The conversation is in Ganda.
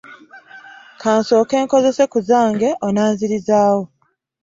Ka nsooke nkozese ku zange onanzirizaawo.